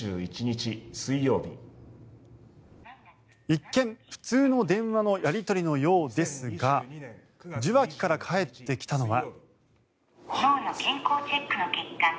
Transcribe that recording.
一見、普通の電話のやり取りのようですが受話器から返ってきたのは。